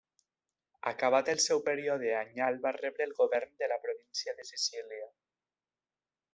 Acabat el seu període anyal va rebre el govern de la província de Sicília.